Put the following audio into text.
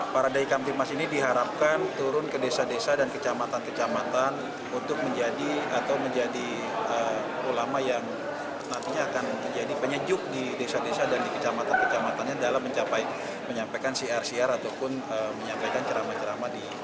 para daikam di mas ini diharapkan turun ke desa desa dan kecamatan kecamatan untuk menjadi atau menjadi ulama yang nantinya akan menjadi penyejuk di desa desa dan kecamatan kecamatannya dalam mencapai menyampaikan crcr ataupun menyampaikan ceramah ceramah di kajang